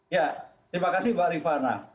ya terima kasih mbak rifana